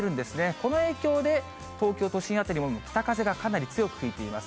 この影響で、東京都心辺りも北風がかなり強く吹いています。